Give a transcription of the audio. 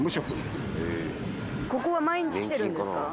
ここは毎日来てるんですか？